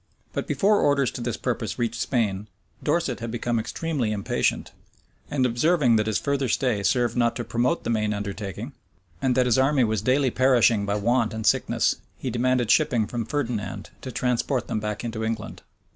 But before orders to this purpose reached Spain, Dorset had become extremely impatient; and observing that his further stay served not to promote the main undertaking, and that his army was daily perishing by want and sickness, he demanded shipping from Ferdinand to transport them back into England.